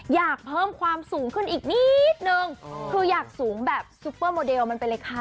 อยากเพิ่มความสูงขึ้นอีกนิดนึงคืออยากสูงแบบซุปเปอร์โมเดลมันไปเลยค่ะ